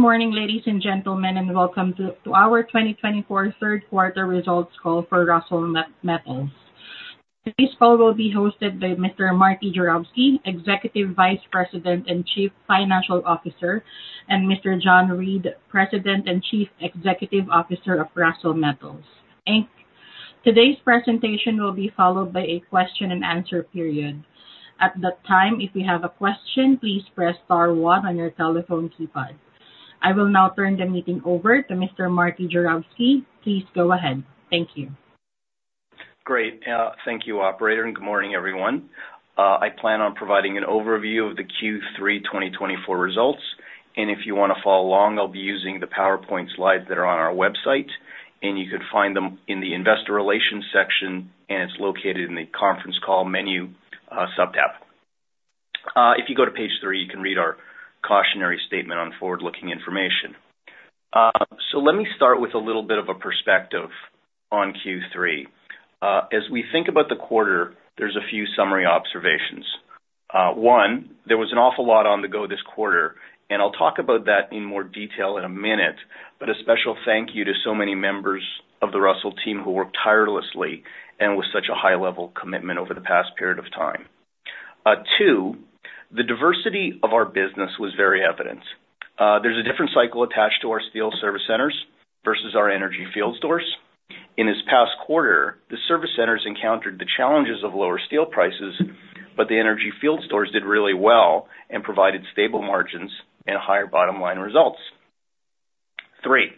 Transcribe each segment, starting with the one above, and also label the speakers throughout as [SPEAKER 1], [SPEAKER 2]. [SPEAKER 1] Good morning, ladies and gentlemen, and welcome to our 2024 third quarter results call for Russel Metals. Today's call will be hosted by Mr. Marty Juravsky, Executive Vice President and Chief Financial Officer, and Mr. John Reid, President and Chief Executive Officer of Russel Metals Inc. Today's presentation will be followed by a question and answer period. At that time, if you have a question, please press star one on your telephone keypad. I will now turn the meeting over to Mr. Marty Juravsky. Please go ahead. Thank you.
[SPEAKER 2] Great. Thank you, Operator, and good morning, everyone. I plan on providing an overview of the Q3 2024 results, and if you want to follow along, I'll be using the PowerPoint slides that are on our website, and you could find them in the Investor Relations section, and it's located in the Conference Call menu subtab. If you go to page three, you can read our cautionary statement on forward-looking information, so let me start with a little bit of a perspective on Q3. As we think about the quarter, there's a few summary observations. One, there was an awful lot on the go this quarter, and I'll talk about that in more detail in a minute. But a special thank you to so many members of the Russel team who worked tirelessly and with such a high-level commitment over the past period of time. Two, the diversity of our business was very evident. There's a different cycle attached to our steel service centers versus our energy field stores. In this past quarter, the service centers encountered the challenges of lower steel prices, but the energy field stores did really well and provided stable margins and higher bottom-line results. Three,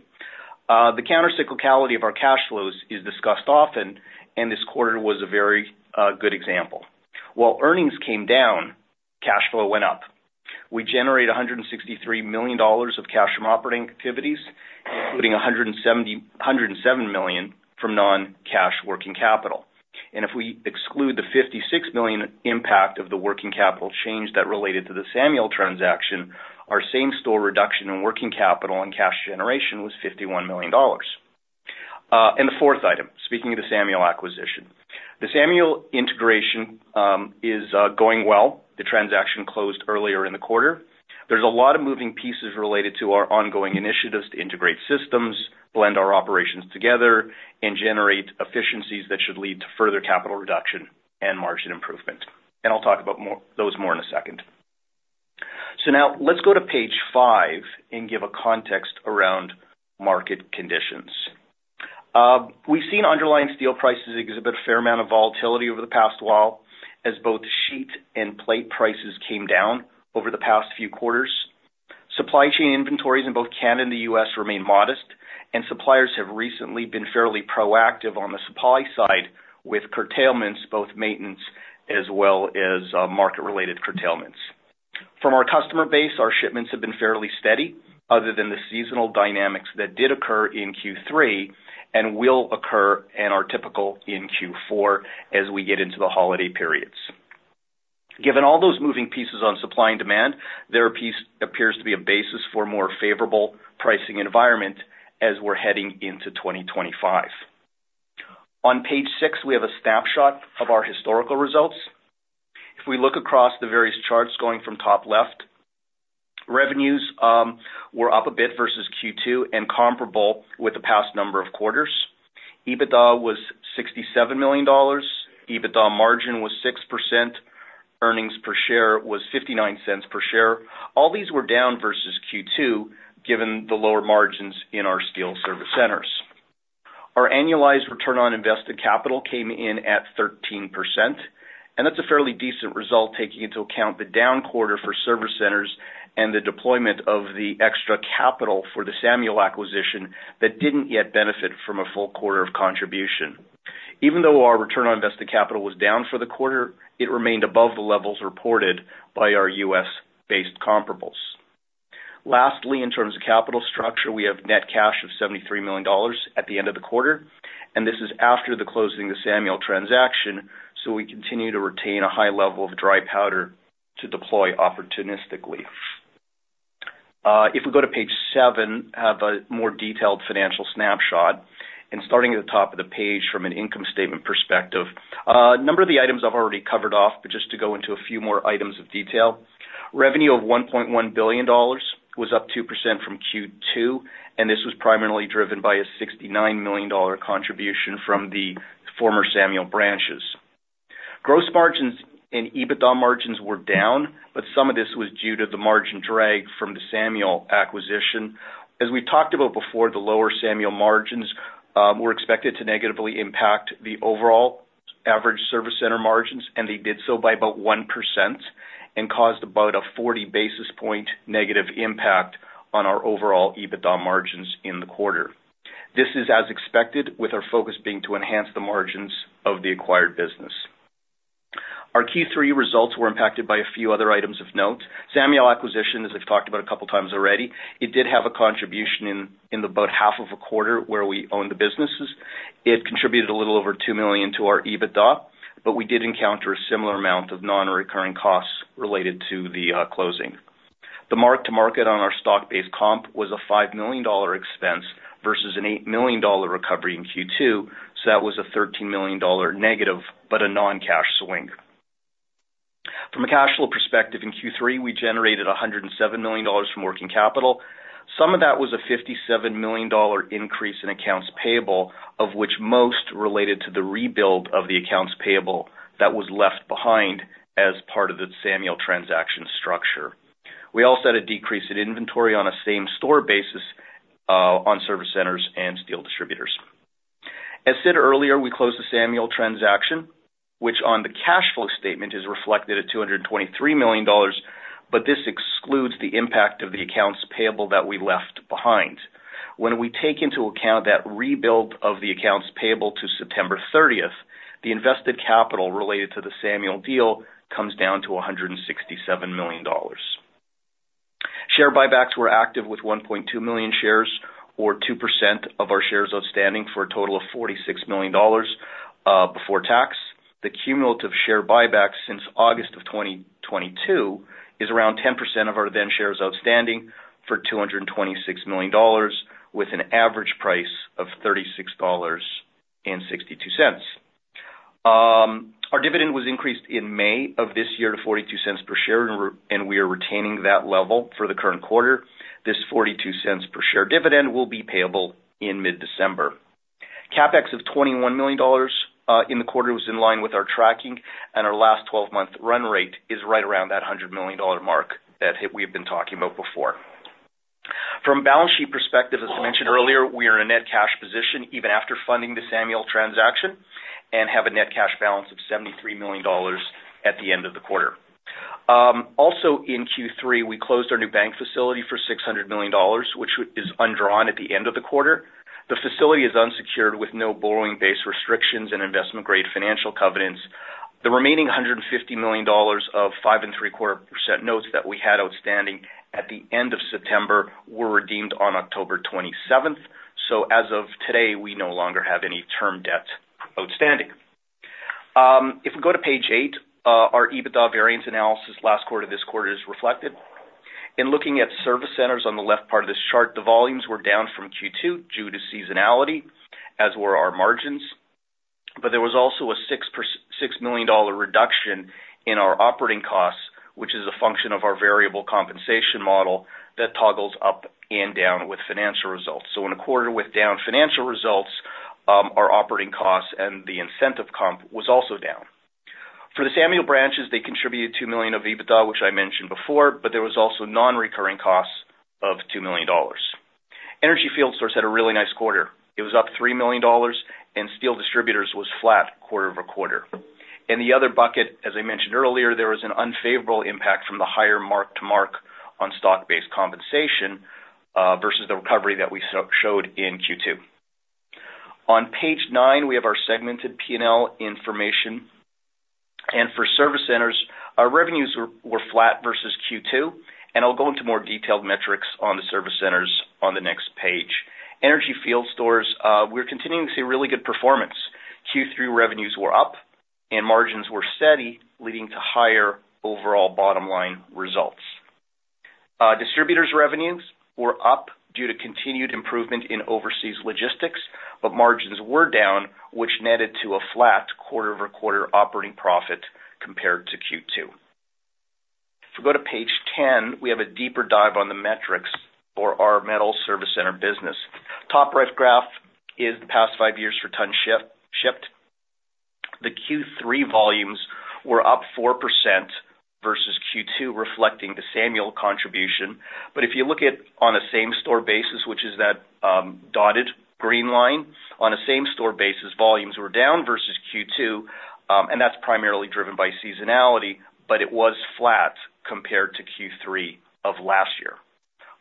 [SPEAKER 2] the countercyclicality of our cash flows is discussed often, and this quarter was a very good example. While earnings came down, cash flow went up. We generated 163 million dollars of cash from operating activities, including 107 million from non-cash working capital. And if we exclude the 56 million impact of the working capital change that related to the Samuel transaction, our same-store reduction in working capital and cash generation was 51 million dollars. And the fourth item, speaking of the Samuel acquisition, the Samuel integration is going well. The transaction closed earlier in the quarter. There's a lot of moving pieces related to our ongoing initiatives to integrate systems, blend our operations together, and generate efficiencies that should lead to further capital reduction and margin improvement. And I'll talk about those more in a second. So now let's go to page five and give a context around market conditions. We've seen underlying steel prices exhibit a fair amount of volatility over the past while as both sheet and plate prices came down over the past few quarters. Supply chain inventories in both Canada and the U.S. remain modest, and suppliers have recently been fairly proactive on the supply side with curtailments, both maintenance as well as market-related curtailments. From our customer base, our shipments have been fairly steady other than the seasonal dynamics that did occur in Q3 and will occur and are typical in Q4 as we get into the holiday periods. Given all those moving pieces on supply and demand, there appears to be a basis for a more favorable pricing environment as we're heading into 2025. On page six, we have a snapshot of our historical results. If we look across the various charts going from top left, revenues were up a bit versus Q2 and comparable with the past number of quarters. EBITDA was 67 million dollars. EBITDA margin was 6%. Earnings per share was 0.59 per share. All these were down versus Q2 given the lower margins in our steel service centers. Our annualized return on invested capital came in at 13%, and that's a fairly decent result taking into account the down quarter for service centers and the deployment of the extra capital for the Samuel acquisition that didn't yet benefit from a full quarter of contribution. Even though our return on invested capital was down for the quarter, it remained above the levels reported by our U.S.-based comparables. Lastly, in terms of capital structure, we have net cash of 73 million dollars at the end of the quarter. And this is after the closing of the Samuel transaction, so we continue to retain a high level of dry powder to deploy opportunistically. If we go to page seven, I have a more detailed financial snapshot, and starting at the top of the page from an income statement perspective. A number of the items I've already covered off, but just to go into a few more items of detail. Revenue of 1.1 billion dollars was up 2% from Q2, and this was primarily driven by a 69 million dollar contribution from the former Samuel branches. Gross margins and EBITDA margins were down, but some of this was due to the margin drag from the Samuel acquisition. As we talked about before, the lower Samuel margins were expected to negatively impact the overall average service center margins, and they did so by about 1% and caused about a 40 basis points negative impact on our overall EBITDA margins in the quarter. This is as expected, with our focus being to enhance the margins of the acquired business. Our Q3 results were impacted by a few other items of note. Samuel acquisition, as we've talked about a couple of times already, did have a contribution in about half of a quarter where we owned the businesses. It contributed a little over 2 million to our EBITDA, but we did encounter a similar amount of non-recurring costs related to the closing. The mark-to-market on our stock-based comp was a 5 million dollar expense versus a 8 million dollar recovery in Q2, so that was a 13 million dollar negative, but a non-cash swing. From a cash flow perspective, in Q3, we generated 107 million dollars from working capital. Some of that was a 57 million dollar increase in accounts payable, of which most related to the rebuild of the accounts payable that was left behind as part of the Samuel transaction structure. We also had a decrease in inventory on a same-store basis on service centers and steel distributors. As said earlier, we closed the Samuel transaction, which on the cash flow statement is reflected at 223 million dollars, but this excludes the impact of the accounts payable that we left behind. When we take into account that rebuild of the accounts payable to September 30th, the invested capital related to the Samuel deal comes down to 167 million dollars. Share buybacks were active with 1.2 million shares, or 2% of our shares outstanding for a total of 46 million dollars before tax. The cumulative share buyback since August of 2022 is around 10% of our then shares outstanding for 226 million dollars, with an average price of 36.62 dollars. Our dividend was increased in May of this year to 0.42 per share, and we are retaining that level for the current quarter. This 0.42 per share dividend will be payable in mid-December. CapEx of 21 million dollars in the quarter was in line with our tracking, and our last 12-month run rate is right around that 100 million dollar mark that we have been talking about before. From a balance sheet perspective, as I mentioned earlier, we are in a net cash position even after funding the Samuel transaction and have a net cash balance of 73 million dollars at the end of the quarter. Also, in Q3, we closed our new bank facility for 600 million dollars, which is undrawn at the end of the quarter. The facility is unsecured with no borrowing-based restrictions and investment-grade financial covenants. The remaining 150 million dollars of 5.75% notes that we had outstanding at the end of September were redeemed on October 27th, so as of today, we no longer have any term debt outstanding. If we go to page eight, our EBITDA variance analysis last quarter to this quarter is reflected. In looking at service centers on the left part of this chart, the volumes were down from Q2 due to seasonality, as were our margins, but there was also a 6 million dollar reduction in our operating costs, which is a function of our variable compensation model that toggles up and down with financial results. So in a quarter with down financial results, our operating costs and the incentive comp was also down. For the Samuel branches, they contributed 2 million of EBITDA, which I mentioned before, but there was also non-recurring costs of 2 million dollars. Energy Field Stores had a really nice quarter. It was up 3 million dollars, and Steel Distributors was flat quarter-over-quarter. In the other bucket, as I mentioned earlier, there was an unfavorable impact from the higher mark-to-market on stock-based compensation versus the recovery that we showed in Q2. On page nine, we have our segmented P&L information and for service centers, our revenues were flat versus Q2. And I'll go into more detailed metrics on the service centers on the next page. Energy Field Stores. We're continuing to see really good performance. Q3 revenues were up, and margins were steady, leading to higher overall bottom-line results. Distributors' revenues were up due to continued improvement in overseas logistics, but margins were down, which netted to a flat quarter-over-quarter operating profit compared to Q2. If we go to page ten, we have a deeper dive on the metrics for our metal service center business. Top right graph is the past five years for ton shipped. The Q3 volumes were up 4% versus Q2, reflecting the Samuel contribution. But if you look at on a same-store basis, which is that dotted green line, on a same-store basis, volumes were down versus Q2, and that's primarily driven by seasonality, but it was flat compared to Q3 of last year.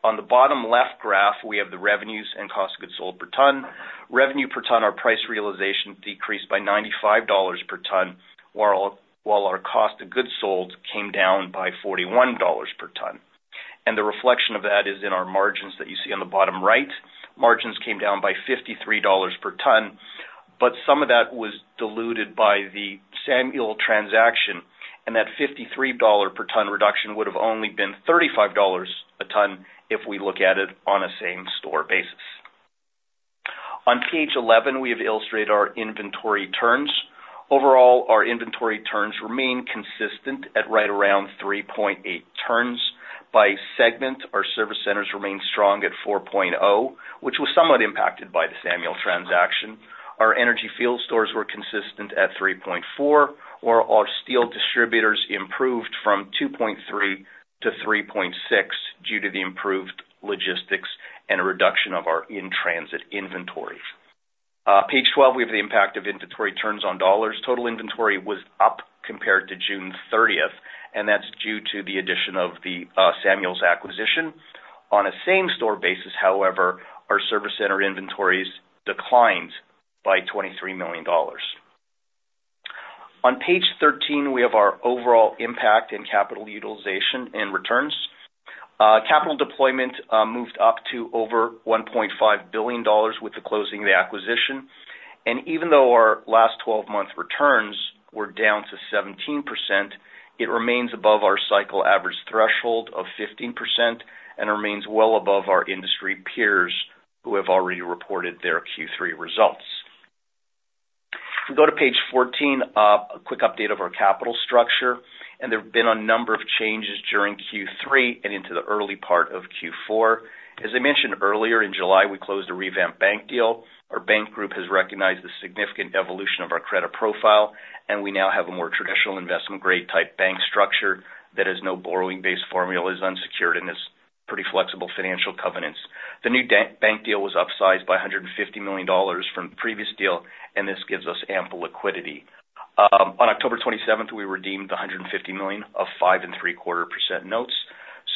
[SPEAKER 2] On the bottom left graph, we have the revenues and cost of goods sold per ton. Revenue per ton, our price realization decreased by 95 dollars per ton, while our cost of goods sold came down by 41 dollars per ton. And the reflection of that is in our margins that you see on the bottom right. Margins came down by 53 dollars per ton, but some of that was diluted by the Samuel transaction, and that 53 dollar per ton reduction would have only been 35 dollars a ton if we look at it on a same-store basis. On page 11, we have illustrated our inventory turns. Overall, our inventory turns remain consistent at right around 3.8 turns. By segment, our service centers remain strong at 4.0 turns, which was somewhat impacted by the Samuel transaction. Our energy field stores were consistent at 3.4 turns, while our steel distributors improved from 2.3 turns to 3.6 turns due to the improved logistics and reduction of our in-transit inventory. Page 12, we have the impact of inventory turns on dollars. Total inventory was up compared to June 30th, and that's due to the addition of the Samuel acquisition. On a same-store basis, however, our service center inventories declined by 23 million dollars. On page 13, we have our overall impact in capital utilization and returns. Capital deployment moved up to over 1.5 billion dollars with the closing of the acquisition. And even though our last 12-month returns were down to 17%, it remains above our cycle average threshold of 15% and remains well above our industry peers who have already reported their Q3 results. If we go to page 14, a quick update of our capital structure, and there have been a number of changes during Q3 and into the early part of Q4. As I mentioned earlier, in July, we closed a revamped bank deal. Our bank group has recognized the significant evolution of our credit profile, and we now have a more traditional investment-grade type bank structure that has no borrowing-based formula, is unsecured, and has pretty flexible financial covenants. The new bank deal was upsized by 150 million dollars from the previous deal, and this gives us ample liquidity. On October 27th, we redeemed the 150 million of 5.75% notes.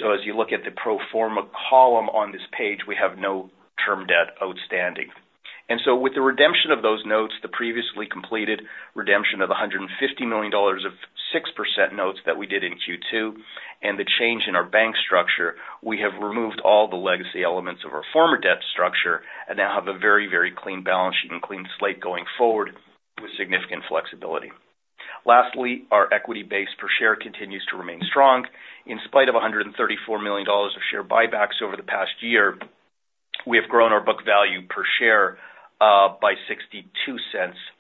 [SPEAKER 2] So as you look at the pro forma column on this page, we have no term debt outstanding. And so with the redemption of those notes, the previously completed redemption of 150 million dollars of 6% notes that we did in Q2, and the change in our bank structure, we have removed all the legacy elements of our former debt structure and now have a very, very clean balance sheet and clean slate going forward with significant flexibility. Lastly, our equity base per share continues to remain strong. In spite of 134 million dollars of share buybacks over the past year, we have grown our book value per share by 0.62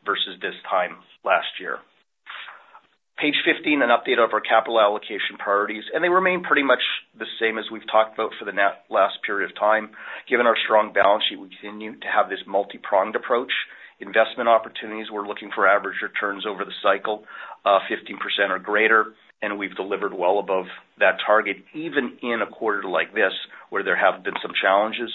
[SPEAKER 2] versus this time last year. Page 15, an update of our capital allocation priorities, and they remain pretty much the same as we've talked about for the last period of time. Given our strong balance sheet, we continue to have this multi-pronged approach. Investment opportunities, we're looking for average returns over the cycle of 15% or greater, and we've delivered well above that target even in a quarter like this where there have been some challenges.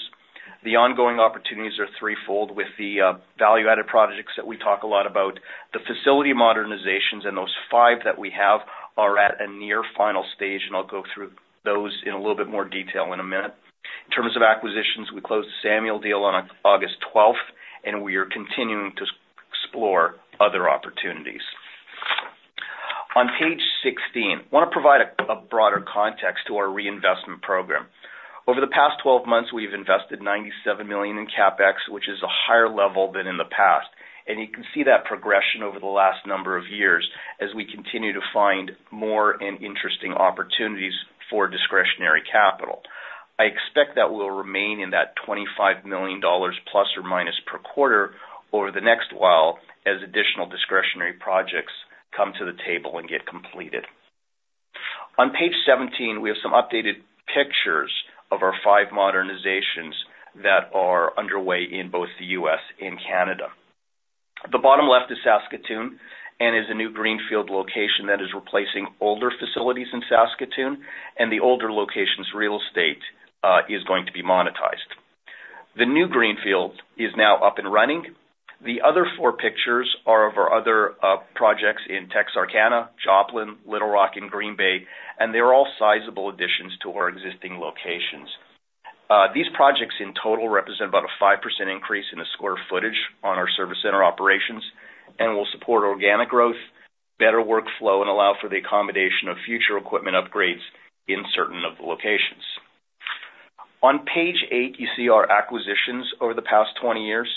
[SPEAKER 2] The ongoing opportunities are threefold with the value-added projects that we talk a lot about. The facility modernizations and those five that we have are at a near final stage, and I'll go through those in a little bit more detail in a minute. In terms of acquisitions, we closed the Samuel deal on August 12th, and we are continuing to explore other opportunities. On page 16, I want to provide a broader context to our reinvestment program. Over the past 12 months, we have invested 97 million in CapEx, which is a higher level than in the past. And you can see that progression over the last number of years as we continue to find more and interesting opportunities for discretionary capital. I expect that we'll remain in that 25 million± per quarter over the next while as additional discretionary projects come to the table and get completed. On page 17, we have some updated pictures of our five modernizations that are underway in both the U.S. and Canada. The bottom left is Saskatoon and is a new greenfield location that is replacing older facilities in Saskatoon, and the older location's real estate is going to be monetized. The new greenfield is now up and running. The other four pictures are of our other projects in Texarkana, Joplin, Little Rock, and Green Bay, and they're all sizable additions to our existing locations. These projects in total represent about a 5% increase in the square footage on our service center operations and will support organic growth, better workflow, and allow for the accommodation of future equipment upgrades in certain locations. On page eight, you see our acquisitions over the past 20 years.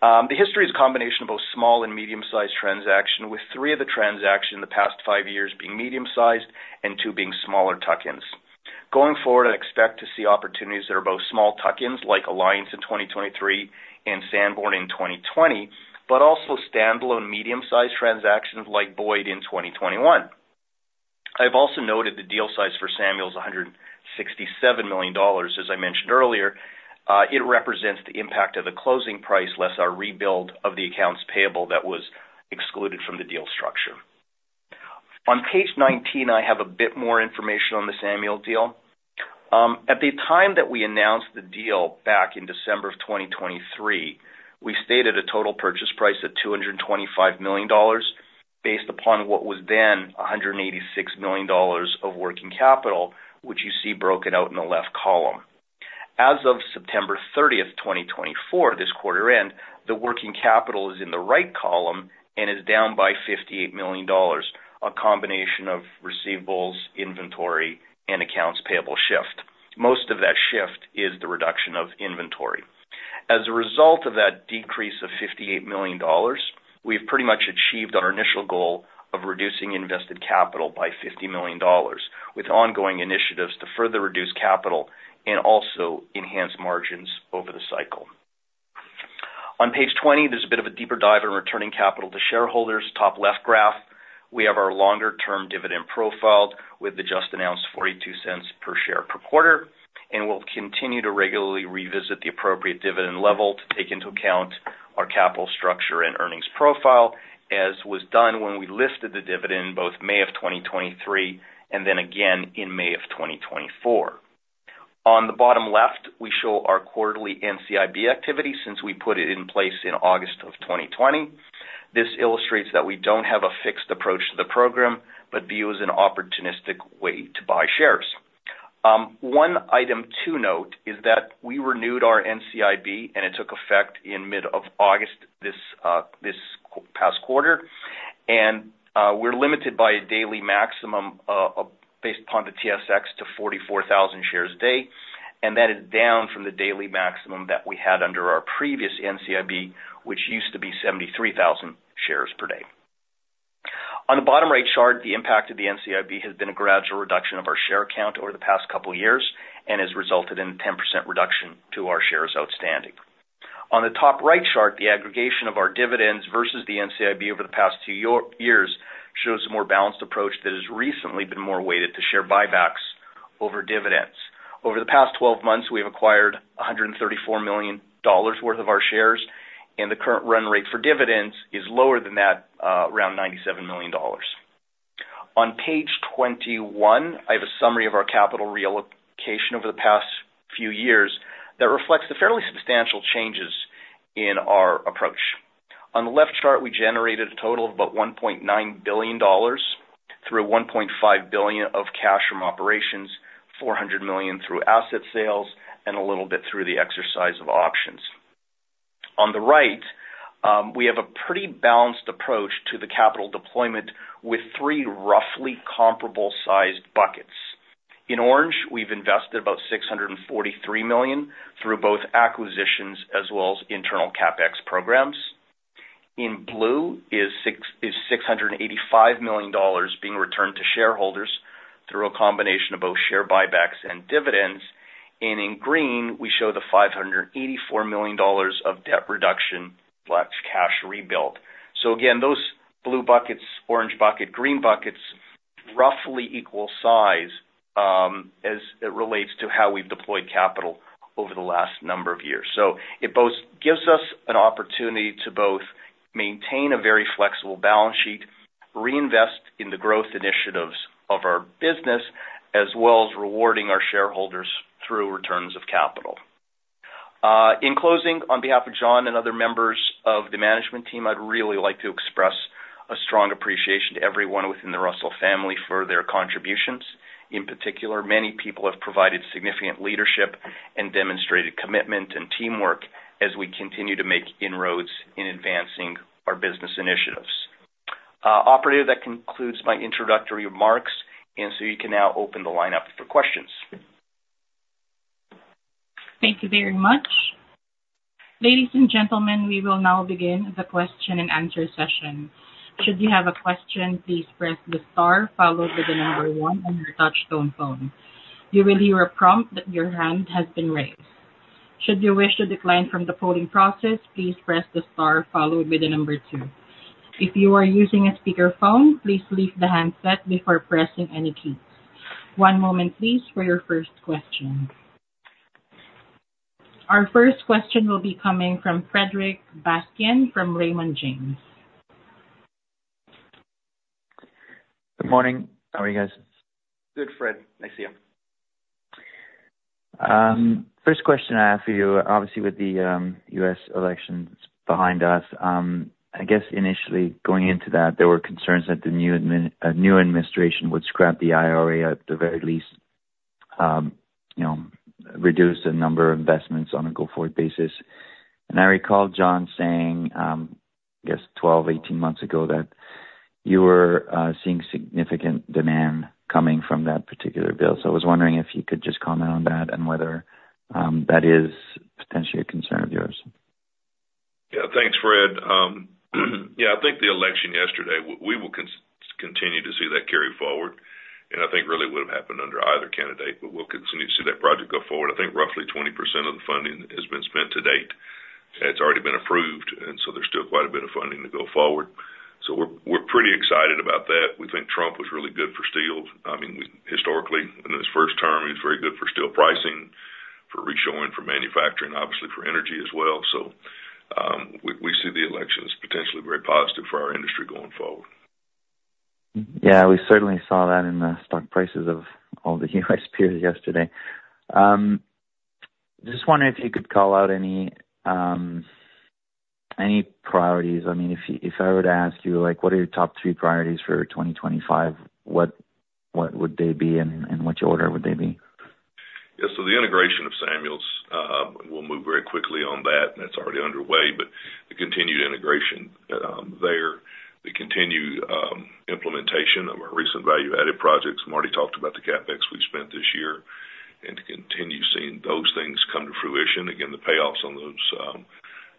[SPEAKER 2] The history is a combination of both small and medium-sized transactions, with three of the transactions in the past five years being medium-sized and two being smaller tuck-ins. Going forward, I expect to see opportunities that are both small tuck-ins, like Alliance in 2023 and Sanborn in 2020, but also standalone medium-sized transactions like Boyd in 2021. I've also noted the deal size for Samuel's is 167 million dollars, as I mentioned earlier. It represents the impact of the closing price less our rebuild of the accounts payable that was excluded from the deal structure. On page 19, I have a bit more information on the Samuel deal. At the time that we announced the deal back in December of 2023, we stated a total purchase price of 225 million dollars based upon what was then 186 million dollars of working capital, which you see broken out in the left column. As of September 30th, 2024, this quarter end, the working capital is in the right column and is down by 58 million dollars, a combination of receivables, inventory, and accounts payable shift. Most of that shift is the reduction of inventory. As a result of that decrease of 58 million dollars, we've pretty much achieved our initial goal of reducing invested capital by 50 million dollars, with ongoing initiatives to further reduce capital and also enhance margins over the cycle. On page 20, there's a bit of a deeper dive in returning capital to shareholders. Top left graph, we have our longer-term dividend profile with the just-announced 0.42 per share per quarter, and we'll continue to regularly revisit the appropriate dividend level to take into account our capital structure and earnings profile, as was done when we listed the dividend in both May of 2023 and then again in May of 2024. On the bottom left, we show our quarterly NCIB activity since we put it in place in August of 2020. This illustrates that we don't have a fixed approach to the program, but view it as an opportunistic way to buy shares. One item to note is that we renewed our NCIB, and it took effect in mid-August this past quarter, and we're limited by a daily maximum based upon the TSX to 44,000 shares a day, and that is down from the daily maximum that we had under our previous NCIB, which used to be 73,000 shares per day. On the bottom right chart, the impact of the NCIB has been a gradual reduction of our share count over the past couple of years and has resulted in a 10% reduction to our shares outstanding. On the top right chart, the aggregation of our dividends versus the NCIB over the past two years shows a more balanced approach that has recently been more weighted to share buybacks over dividends. Over the past 12 months, we have acquired 134 million dollars worth of our shares, and the current run rate for dividends is lower than that, around 97 million dollars. On page 21, I have a summary of our capital reallocation over the past few years that reflects the fairly substantial changes in our approach. On the left chart, we generated a total of about 1.9 billion dollars through 1.5 billion of cash from operations, 400 million through asset sales, and a little bit through the exercise of options. On the right, we have a pretty balanced approach to the capital deployment with three roughly comparable-sized buckets. In orange, we've invested about 643 million through both acquisitions as well as internal CapEx programs. In blue is 685 million dollars being returned to shareholders through a combination of both share buybacks and dividends, and in green, we show the 584 million dollars of debt reduction/cash rebuild. So again, those blue buckets, orange bucket, green buckets, roughly equal size as it relates to how we've deployed capital over the last number of years. So it both gives us an opportunity to both maintain a very flexible balance sheet, reinvest in the growth initiatives of our business, as well as rewarding our shareholders through returns of capital. In closing, on behalf of John and other members of the management team, I'd really like to express a strong appreciation to everyone within the Russel family for their contributions. In particular, many people have provided significant leadership and demonstrated commitment and teamwork as we continue to make inroads in advancing our business initiatives. Operator, that concludes my introductory remarks, and so you can now open the lineup for questions.
[SPEAKER 1] Thank you very much. Ladies and gentlemen, we will now begin the question and answer session. Should you have a question, please press the star followed by the number one on your touch-tone phone. You will hear a prompt that your hand has been raised. Should you wish to decline from the polling process, please press the star followed by the number two. If you are using a speakerphone, please leave the handset before pressing any keys. One moment, please, for your first question. Our first question will be coming from Frederic Bastien from Raymond James.
[SPEAKER 3] Good morning. How are you guys?
[SPEAKER 2] Good, Fred. Nice to see you.
[SPEAKER 3] First question I have for you, obviously with the U.S. elections behind us. I guess initially going into that, there were concerns that the new administration would scrap the IRA at the very least, reduce the number of investments on a go-forward basis. I recall John saying, I guess 12 months-18 months ago, that you were seeing significant demand coming from that particular bill. I was wondering if you could just comment on that and whether that is potentially a concern of yours.
[SPEAKER 4] Yeah, thanks, Fred. Yeah, I think the election yesterday we will continue to see that carry forward, and I think really would have happened under either candidate, but we'll continue to see that project go forward. I think roughly 20% of the funding has been spent to date. It's already been approved, and so there's still quite a bit of funding to go forward. We're pretty excited about that. We think Trump was really good for steel. I mean, historically, in his first term, he was very good for steel pricing, for reshoring, for manufacturing, obviously for energy as well. So we see the election as potentially very positive for our industry going forward.
[SPEAKER 3] Yeah, we certainly saw that in the stock prices of all the U.S. peers yesterday. Just wondering if you could call out any priorities. I mean, if I were to ask you, what are your top three priorities for 2025, what would they be and in which order would they be?
[SPEAKER 4] Yeah, so the integration of Samuel's will move very quickly on that, and that's already underway. But the continued integration there, the continued implementation of our recent value-added projects. We've already talked about the CapEx we've spent this year and to continue seeing those things come to fruition. Again, the payoffs on those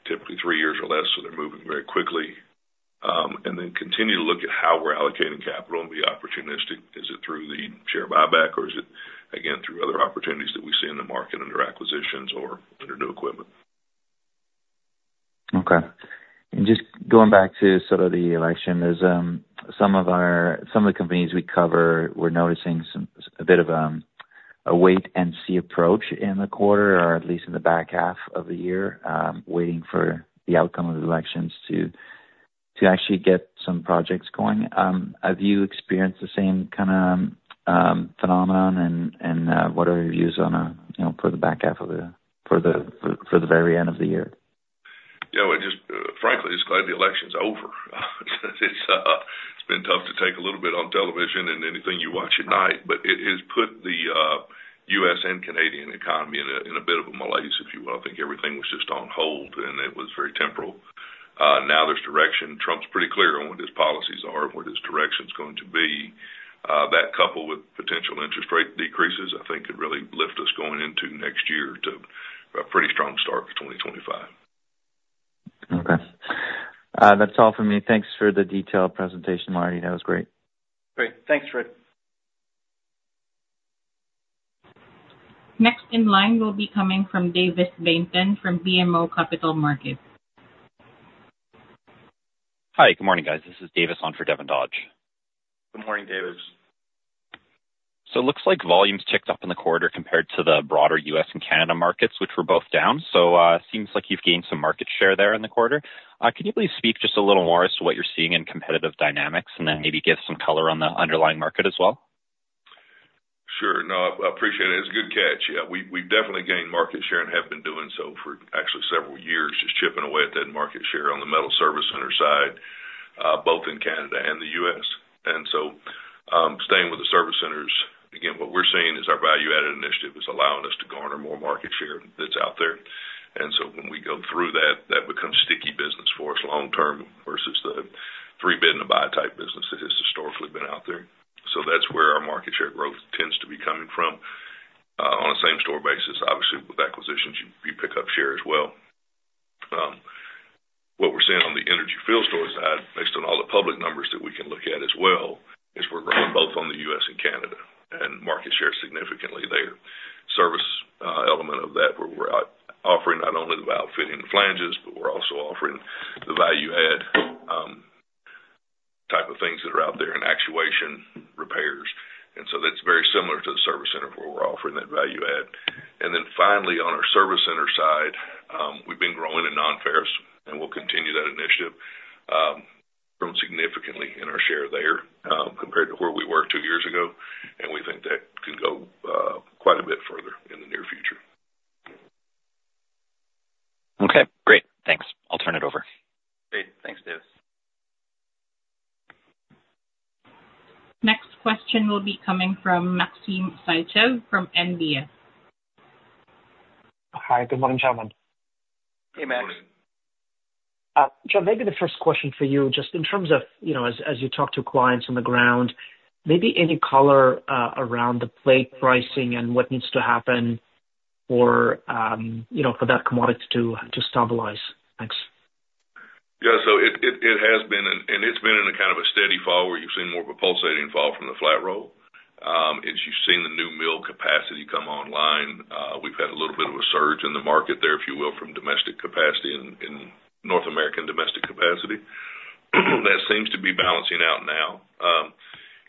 [SPEAKER 4] typically three years or less, so they're moving very quickly. And then continue to look at how we're allocating capital and be opportunistic. Is it through the share buyback, or is it again through other opportunities that we see in the market under acquisitions or under new equipment?
[SPEAKER 3] Okay. And just going back to sort of the election, some of the companies we cover were noticing a bit of a wait-and-see approach in the quarter, or at least in the back half of the year, waiting for the outcome of the elections to actually get some projects going. Have you experienced the same kind of phenomenon, and what are your views for the back half of the year for the very end of the year?
[SPEAKER 4] Yeah. Frankly, just glad the election's over. It's been tough to take a little bit on television and anything you watch at night, but it has put the U.S. and Canadian economy in a bit of a malaise, if you will. I think everything was just on hold, and it was very temporal. Now there's direction. Trump's pretty clear on what his policies are and what his direction's going to be. That coupled with potential interest rate decreases, I think could really lift us going into next year to a pretty strong start for 2025.
[SPEAKER 3] Okay. That's all for me. Thanks for the detailed presentation, Marty. That was great.
[SPEAKER 2] Great. Thanks, Fred.
[SPEAKER 1] Next in line will be coming from Davis Baynton from BMO Capital Markets.
[SPEAKER 5] Hi, good morning, guys. This is Davis on for Devin Dodge.
[SPEAKER 2] Good morning, Davis.
[SPEAKER 5] So it looks like volumes ticked up in the quarter compared to the broader U.S. and Canada markets, which were both down. So it seems like you've gained some market share there in the quarter. Can you please speak just a little more as to what you're seeing in competitive dynamics and then maybe give some color on the underlying market as well?
[SPEAKER 4] Sure. No, I appreciate it. It's good catch. Yeah, we've definitely gained market share and have been doing so for actually several years, just chipping away at that market share on the metal service center side, both in Canada and the U.S. And so staying with the service centers, again, what we're seeing is our value-added initiative is allowing us to garner more market share that's out there. And so when we go through that, that becomes sticky business for us long-term versus the three-bid-and-buy type business that has historically been out there. So that's where our market share growth tends to be coming from. On a same-store basis, obviously, with acquisitions, you pick up share as well. What we're seeing on the energy field store side, based on all the public numbers that we can look at as well, is we're growing both on the U.S. and Canada and market share significantly there. Service element of that, where we're offering not only the valves, fittings, and flanges, but we're also offering the value-add type of things that are out there in actuation repairs. And so that's very similar to the service center where we're offering that value-add. And then finally, on our service center side, we've been growing in non-ferrous, and we'll continue that initiative, growing significantly in our share there compared to where we were two years ago, and we think that could go quite a bit further in the near future.
[SPEAKER 5] Okay. Great. Thanks. I'll turn it over.
[SPEAKER 2] Great. Thanks, Davis.
[SPEAKER 1] Next question will be coming from Maxim Sytchev from NBF.
[SPEAKER 6] Hi, good morning, gentlemen.
[SPEAKER 2] Hey, Max. Good morning.
[SPEAKER 6] John. Maybe the first question for you, just in terms of, as you talk to clients on the ground. Maybe any color around the plate pricing and what needs to happen for that commodity to stabilize. Thanks.
[SPEAKER 4] Yeah, so it has been, and it's been in a kind of a steady fall where you've seen more of a pulsating fall from the flat roll. As you've seen the new mill capacity come online, we've had a little bit of a surge in the market there, if you will, from domestic capacity and North American domestic capacity. That seems to be balancing out now.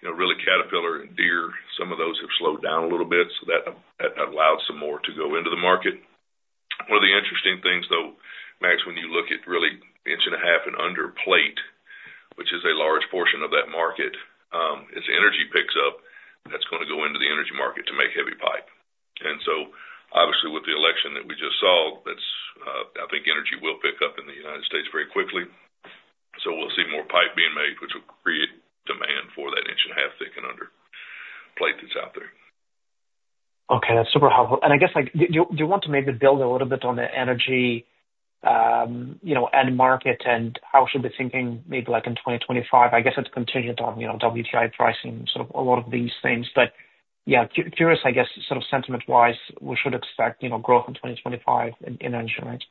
[SPEAKER 4] Really, Caterpillar and Deere, some of those have slowed down a little bit, so that allowed some more to go into the market. One of the interesting things, though, Max, when you look at really inch and a half and under plate, which is a large portion of that market. As energy picks up, that's going to go into the energy market to make heavy pipe. And so obviously, with the election that we just saw, I think energy will pick up in the United States very quickly, so we'll see more pipe being made, which will create demand for that 1.5-inch-thick and under plate that's out there.
[SPEAKER 6] Okay. That's super helpful, and I guess do you want to maybe build a little bit on the energy end market and how should be thinking maybe in 2025? I guess it's contingent on WTI pricing, sort of a lot of these things. But yeah, curious, I guess, sort of sentiment-wise, we should expect growth in 2025 in energy, right?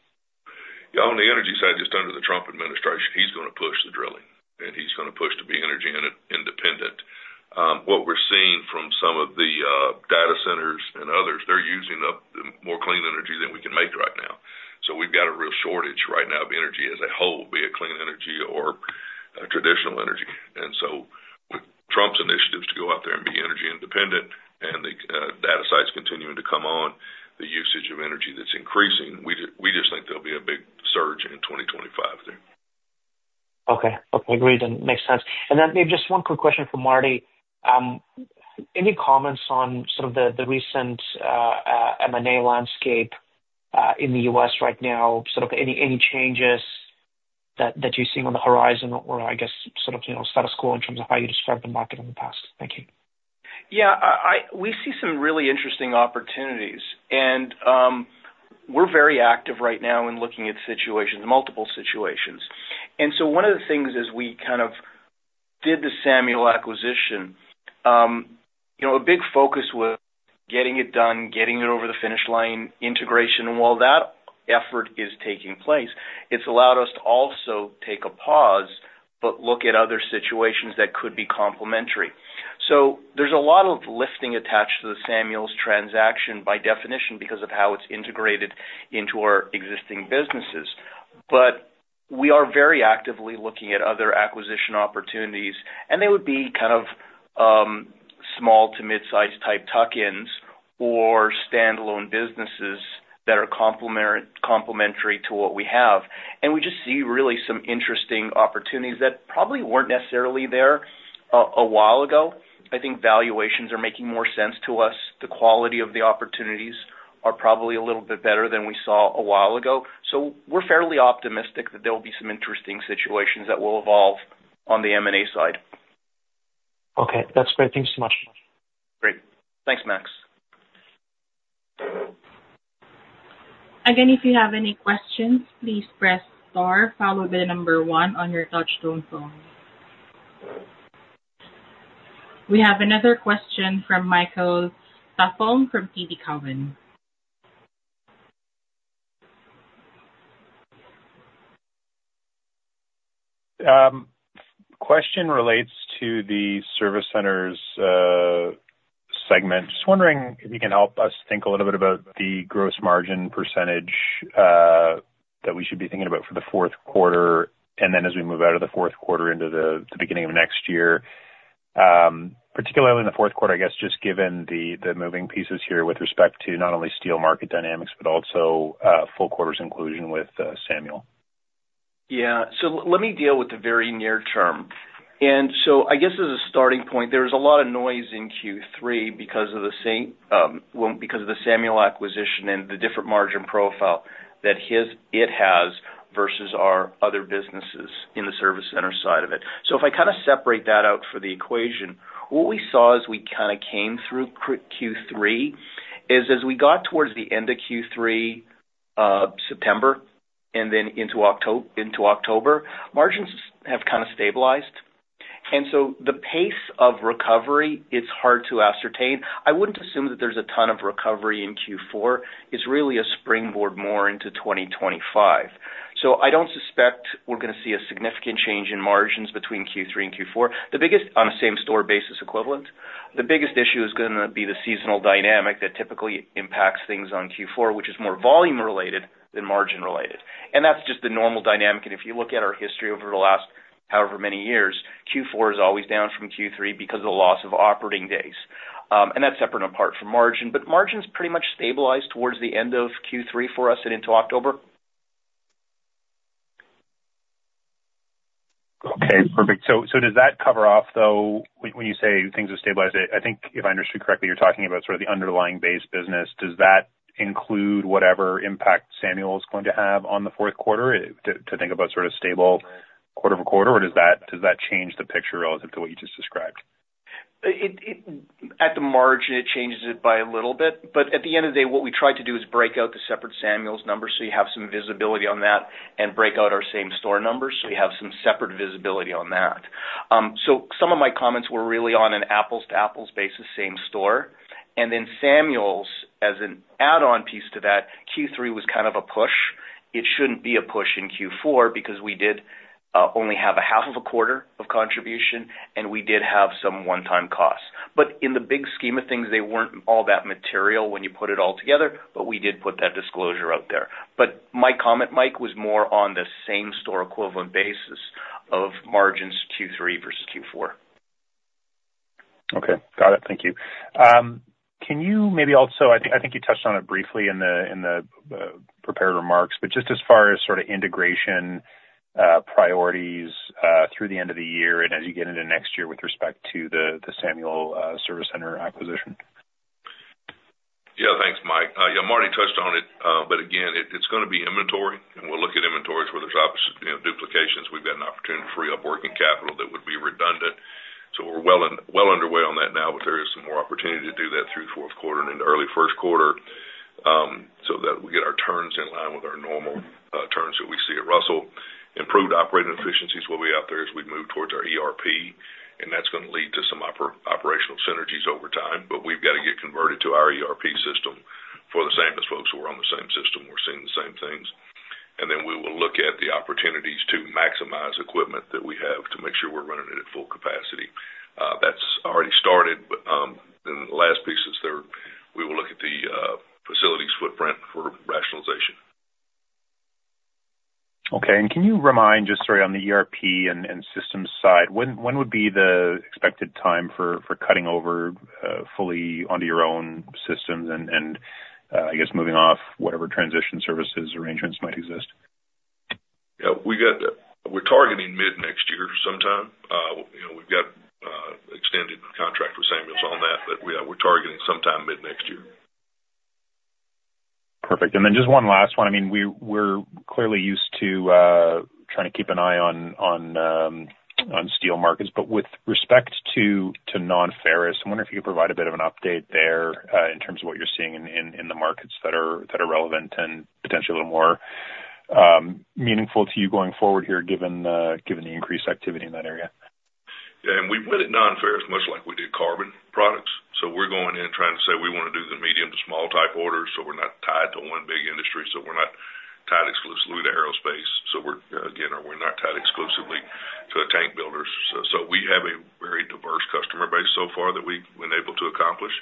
[SPEAKER 4] Yeah, on the energy side, just under the Trump administration, he's going to push the drilling, and he's going to push to be energy independent. What we're seeing from some of the data centers and others, they're using up more clean energy than we can make right now. So we've got a real shortage right now of energy as a whole. Be it clean energy or traditional energy. And so with Trump's initiatives to go out there and be energy independent and the data centers continuing to come on, the usage of energy that's increasing, we just think there'll be a big surge in 2025 there.
[SPEAKER 6] Okay. Okay. Agreed. And makes sense. And then maybe just one quick question for Marty. Any comments on sort of the recent M&A landscape in the U.S. right now? Sort of any changes that you're seeing on the horizon or, I guess, sort of status quo in terms of how you described the market in the past? Thank you.
[SPEAKER 2] Yeah, we see some really interesting opportunities. And we're very active right now in looking at situations, multiple situations, and so one of the things as we kind of did the Samuel acquisition. A big focus was getting it done, getting it over the finish line, integration, and while that effort is taking place. It's allowed us to also take a pause, but look at other situations that could be complementary. So there's a lot of lifting attached to the Samuel's transaction by definition because of how it's integrated into our existing businesses. But we are very actively looking at other acquisition opportunities, and they would be kind of small to mid-sized type tuck-ins or standalone businesses that are complementary to what we have. And we just see really some interesting opportunities that probably weren't necessarily there a while ago. I think valuations are making more sense to us. The quality of the opportunities are probably a little bit better than we saw a while ago. So we're fairly optimistic that there will be some interesting situations that will evolve on the M&A side.
[SPEAKER 6] Okay. That's great. Thank you so much.
[SPEAKER 2] Great. Thanks, Max.
[SPEAKER 1] Again, if you have any questions, please press star followed by the number one on your touch-tone phone. We have another question from Michael Tupholme from TD Cowen.
[SPEAKER 7] Question relates to the service centers segment. Just wondering if you can help us think a little bit about the gross margin percentage that we should be thinking about for the fourth quarter, and then as we move out of the fourth quarter into the beginning of next year. Particularly in the fourth quarter, I guess, just given the moving pieces here with respect to not only steel market dynamics, but also full quarter's inclusion with Samuel.
[SPEAKER 2] Yeah. So let me deal with the very near term. And so I guess as a starting point, there was a lot of noise in Q3 because of the Samuel acquisition and the different margin profile that it has versus our other businesses in the service center side of it. So if I kind of separate that out for the equation. What we saw as we kind of came through Q3 is as we got towards the end of Q3, September, and then into October, margins have kind of stabilized. And so the pace of recovery, it's hard to ascertain. I wouldn't assume that there's a ton of recovery in Q4. It's really a springboard more into 2025. So I don't suspect we're going to see a significant change in margins between Q3 and Q4. On a same-store basis equivalent, the biggest issue is going to be the seasonal dynamic that typically impacts things on Q4, which is more volume-related than margin-related. And that's just the normal dynamic. And if you look at our history over the last however many years, Q4 is always down from Q3 because of the loss of operating days. And that's separate and apart from margin. But margins pretty much stabilized towards the end of Q3 for us and into October.
[SPEAKER 7] Okay. Perfect. So does that cover off, though, when you say things have stabilized? I think if I understood correctly, you're talking about sort of the underlying base business. Does that include whatever impact Samuel is going to have on the fourth quarter to think about sort of stable quarter-over-quarter, or does that change the picture relative to what you just described?
[SPEAKER 2] At the margin, it changes it by a little bit. But at the end of the day, what we tried to do is break out the separate Samuel's numbers so you have some visibility on that and break out our same-store numbers so we have some separate visibility on that. So some of my comments were really on an apples-to-apples basis, same store. And then Samuel, as an add-on piece to that, Q3 was kind of a push. It shouldn't be a push in Q4 because we did only have a half of a quarter of contribution, and we did have some one-time costs. But in the big scheme of things, they weren't all that material when you put it all together, but we did put that disclosure out there. But my comment, Mike, was more on the same-store equivalent basis of margins Q3 versus Q4.
[SPEAKER 7] Okay. Got it. Thank you. Can you maybe also? I think you touched on it briefly in the prepared remarks, but just as far as sort of integration priorities through the end of the year and as you get into next year with respect to the Samuel service center acquisition?
[SPEAKER 4] Yeah. Thanks, Mike. Yeah, Marty touched on it, but again, it's going to be inventory, and we'll look at inventories where there's duplications. We've got an opportunity to free up working capital that would be redundant. So we're well underway on that now, but there is some more opportunity to do that through the fourth quarter and into early first quarter so that we get our turns in line with our normal turns that we see at Russel. Improved operating efficiencies will be out there as we move towards our ERP, and that's going to lead to some operational synergies over time, but we've got to get converted to our ERP system for the same as folks who are on the same system. We're seeing the same things. And then we will look at the opportunities to maximize equipment that we have to make sure we're running it at full capacity. That's already started. And the last piece is we will look at the facilities footprint for rationalization.
[SPEAKER 7] Okay. And can you remind just sort of on the ERP and systems side, when would be the expected time for cutting over fully onto your own systems and, I guess, moving off whatever transition services arrangements might exist?
[SPEAKER 4] Yeah. We're targeting mid-next year sometime. We've got an extended contract with Samuel's on that, but we're targeting sometime mid-next year.
[SPEAKER 7] Perfect. And then just one last one. I mean, we're clearly used to trying to keep an eye on steel markets, but with respect to non-ferrous, I wonder if you could provide a bit of an update there in terms of what you're seeing in the markets that are relevant and potentially a little more meaningful to you going forward here given the increased activity in that area.
[SPEAKER 4] Yeah. And we went at non-ferrous, much like we did carbon products. So we're going in and trying to say we want to do the medium to small-type orders so we're not tied to one big industry, so we're not tied exclusively to aerospace. So again, we're not tied exclusively to tank builders. So we have a very diverse customer base so far that we've been able to accomplish,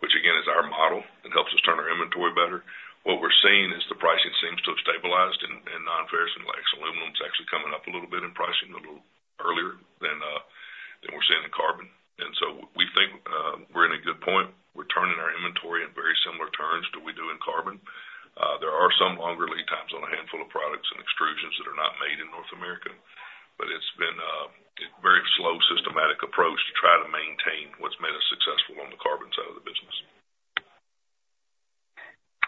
[SPEAKER 4] which again is our model and helps us turn our inventory better. What we're seeing is the pricing seems to have stabilized in non-ferrous, and aluminum is actually coming up a little bit in pricing a little earlier than we're seeing in carbon. And so we think we're in a good point. We're turning our inventory in very similar turns to what we do in carbon. There are some longer lead times on a handful of products and extrusions that are not made in North America, but it's been a very slow systematic approach to try to maintain what's made us successful on the carbon side of the business.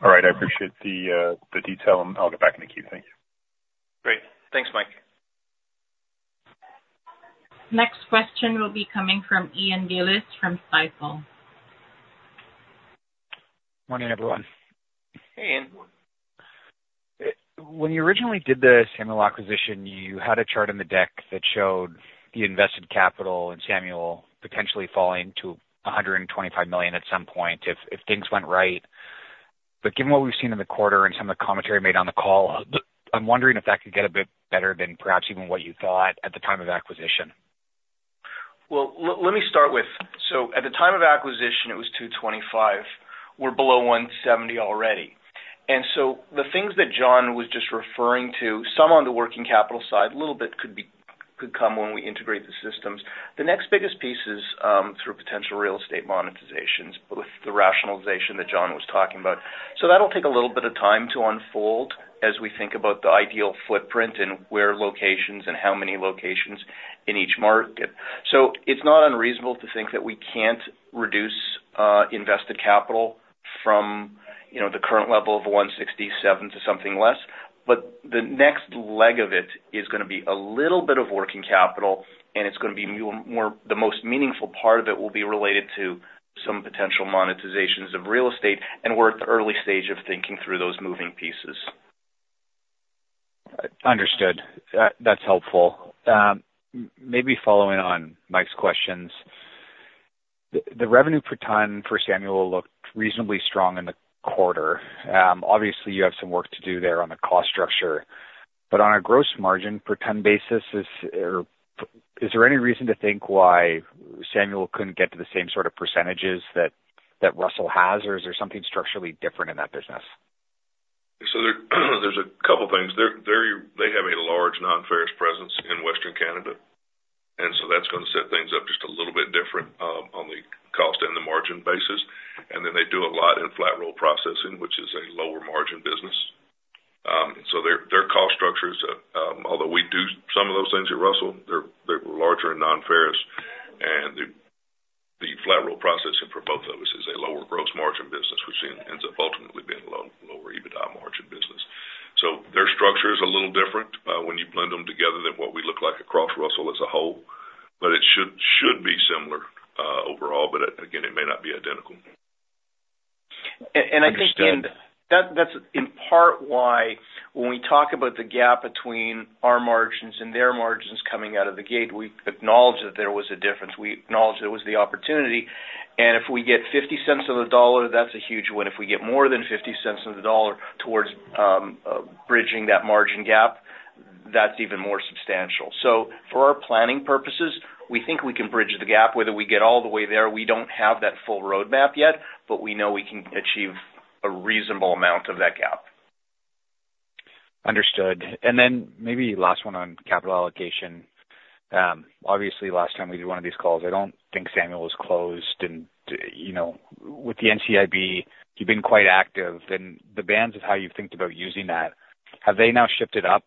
[SPEAKER 7] All right. I appreciate the detail. I'll get back in a queue. Thank you.
[SPEAKER 2] Great. Thanks, Mike.
[SPEAKER 1] Next question will be coming from Ian Gillies from Stifel.
[SPEAKER 8] Morning, everyone.
[SPEAKER 2] Hey, Ian.
[SPEAKER 8] When you originally did the Samuel acquisition, you had a chart in the deck that showed the invested capital in Samuel potentially falling to 125 million at some point if things went right. But given what we've seen in the quarter and some of the commentary made on the call, I'm wondering if that could get a bit better than perhaps even what you thought at the time of acquisition.
[SPEAKER 2] Well, let me start with, so at the time of acquisition, it was 225 million. We're below 170 million already. And so the things that John was just referring to, some on the working capital side, a little bit could come when we integrate the systems. The next biggest piece is through potential real estate monetizations, both the rationalization that John was talking about. So that'll take a little bit of time to unfold as we think about the ideal footprint and where locations and how many locations in each market. So it's not unreasonable to think that we can't reduce invested capital from the current level of 167 million to something less, but the next leg of it is going to be a little bit of working capital, and it's going to be the most meaningful part of it will be related to some potential monetizations of real estate, and we're at the early stage of thinking through those moving pieces.
[SPEAKER 8] Understood. That's helpful. Maybe following on Mike's questions, the revenue per ton for Samuel looked reasonably strong in the quarter. Obviously, you have some work to do there on the cost structure, but on a gross margin per ton basis, is there any reason to think why Samuel couldn't get to the same sort of percentages that Russel has, or is there something structurally different in that business?
[SPEAKER 4] So there's a couple of things. They have a large non-ferrous presence in Western Canada, and so that's going to set things up just a little bit different on the cost and the margin basis. And then they do a lot in flat-rolled processing, which is a lower margin business, so their cost structures. Although we do some of those things at Russel, they're larger in non-ferrous, and the flat-rolled processing for both of us is a lower gross margin business, which ends up ultimately being a lower EBITDA margin business. So their structure is a little different when you blend them together than what we look like across Russel as a whole, but it should be similar overall, but again, it may not be identical.
[SPEAKER 2] And I think, Ian, that's in part why when we talk about the gap between our margins and their margins coming out of the gate, we acknowledge that there was a difference. We acknowledge there was the opportunity. And if we get 0.50 on the dollar, that's a huge win. If we get more than 0.50 on the dollar towards bridging that margin gap, that's even more substantial. So for our planning purposes, we think we can bridge the gap whether we get all the way there. We don't have that full roadmap yet, but we know we can achieve a reasonable amount of that gap.
[SPEAKER 8] Understood. And then maybe last one on capital allocation. Obviously, last time we did one of these calls, I don't think Samuel was closed. With the NCIB, you've been quite active, and the bands of how you've think about using that. Have they now shifted up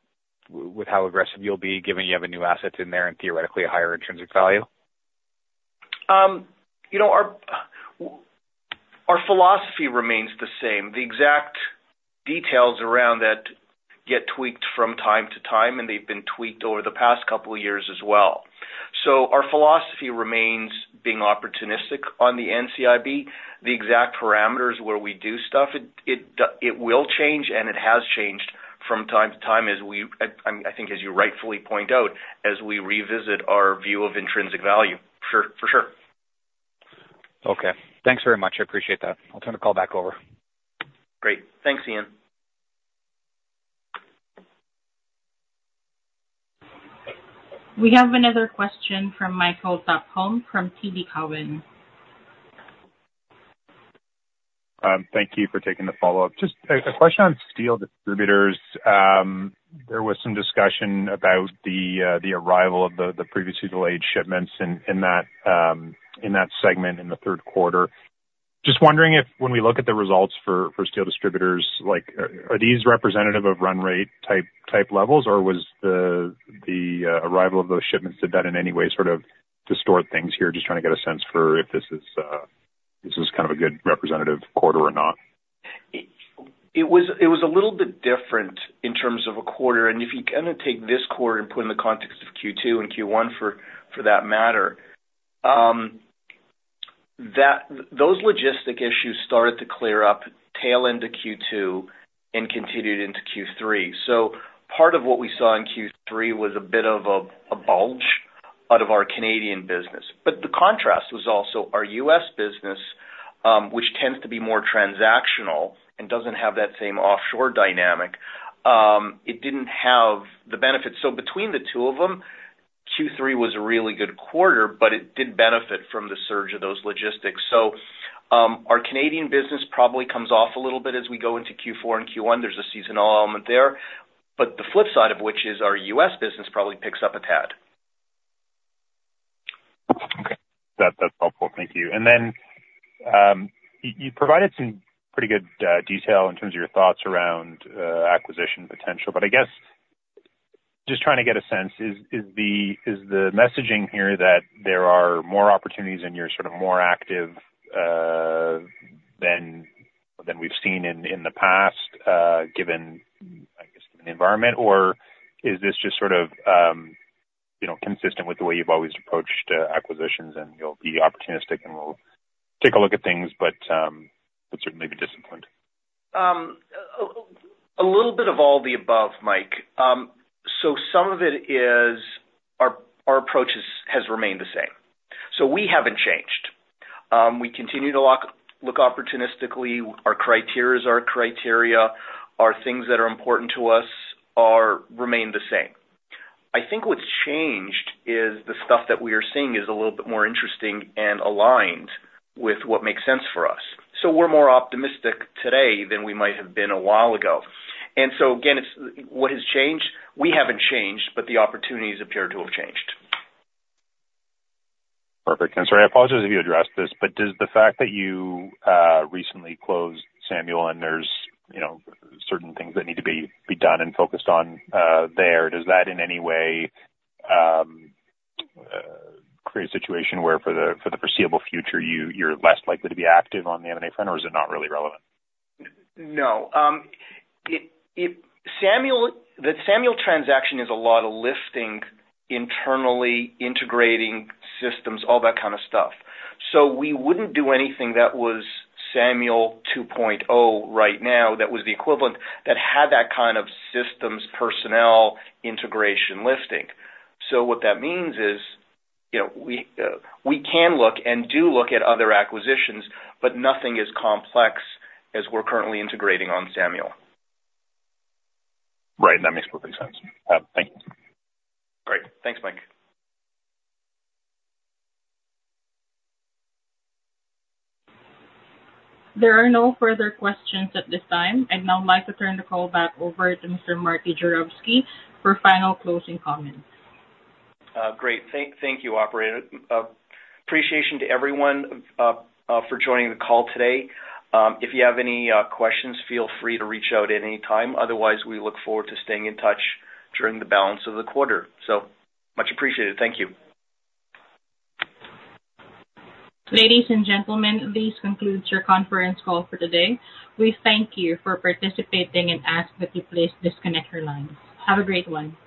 [SPEAKER 8] with how aggressive you'll be given you have a new asset in there and theoretically a higher intrinsic value?
[SPEAKER 2] Our philosophy remains the same. The exact details around that get tweaked from time to time, and they've been tweaked over the past couple of years as well. So our philosophy remains being opportunistic on the NCIB. The exact parameters where we do stuff, it will change, and it has changed from time to time as we, I think, as you rightfully point out, as we revisit our view of intrinsic value. For sure. For sure.
[SPEAKER 8] Okay. Thanks very much. I appreciate that. I'll turn the call back over.
[SPEAKER 2] Great. Thanks, Ian.
[SPEAKER 1] We have another question from Michael Tupholme from TD Cowen.
[SPEAKER 7] Thank you for taking the follow-up. Just a question on steel distributors. There was some discussion about the arrival of the previously delayed shipments in that segment in the third quarter. Just wondering if when we look at the results for steel distributors, are these representative of run rate type levels, or was the arrival of those shipments did that in any way sort of distort things here? Just trying to get a sense for if this is kind of a good representative quarter or not.
[SPEAKER 2] It was a little bit different in terms of a quarter. If you kind of take this quarter and put it in the context of Q2 and Q1 for that matter, those logistic issues started to clear up tail into Q2 and continued into Q3. So part of what we saw in Q3 was a bit of a bulge out of our Canadian business. But the contrast was also our U.S. business, which tends to be more transactional and doesn't have that same offshore dynamic. It didn't have the benefit. So between the two of them, Q3 was a really good quarter, but it did benefit from the surge of those logistics. So our Canadian business probably comes off a little bit as we go into Q4 and Q1. There's a seasonal element there. But the flip side of which is our U.S. business probably picks up a tad.
[SPEAKER 7] Okay. That's helpful. Thank you. And then you provided some pretty good detail in terms of your thoughts around acquisition potential. But I guess just trying to get a sense, is the messaging here that there are more opportunities and you're sort of more active than we've seen in the past, given, I guess, the environment, or is this just sort of consistent with the way you've always approached acquisitions and you'll be opportunistic and we'll take a look at things but certainly be disciplined?
[SPEAKER 2] A little bit of all the above, Mike. Some of it is our approach has remained the same. We haven't changed. We continue to look opportunistically. Our criterias are criteria. Our things that are important to us remain the same. I think what's changed is the stuff that we are seeing is a little bit more interesting and aligned with what makes sense for us. We're more optimistic today than we might have been a while ago. And so again, what has changed? We haven't changed, but the opportunities appear to have changed.
[SPEAKER 7] Perfect. And sorry, I apologize if you addressed this, but does the fact that you recently closed Samuel and there's certain things that need to be done and focused on there, does that in any way create a situation where for the foreseeable future you're less likely to be active on the M&A front, or is it not really relevant?
[SPEAKER 2] No. The Samuel transaction is a lot of lifting internally, integrating systems, all that kind of stuff. So we wouldn't do anything that was Samuel 2.0 right now that was the equivalent that had that kind of systems personnel integration lifting. So what that means is we can look and do look at other acquisitions, but nothing as complex as we're currently integrating on Samuel.
[SPEAKER 7] Right. That makes perfect sense. Thank you.
[SPEAKER 2] Great. Thanks, Mike.
[SPEAKER 1] There are no further questions at this time. I'd now like to turn the call back over to Mr. Marty Juravsky for final closing comments.
[SPEAKER 2] Great. Thank you, operator. Appreciation to everyone for joining the call today. If you have any questions, feel free to reach out at any time. Otherwise, we look forward to staying in touch during the balance of the quarter. So much appreciated. Thank you.
[SPEAKER 1] Ladies and gentlemen, this concludes your conference call for today. We thank you for participating and ask that you please disconnect your lines. Have a great one.